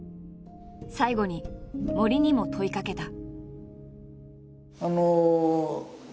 最後に森にも問いかけた。